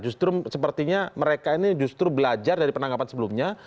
justru sepertinya mereka ini justru belajar dari penangkapan sebelumnya